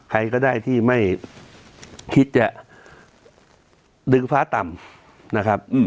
ใครก็ได้ที่ไม่คิดจะดึงฟ้าต่ำนะครับ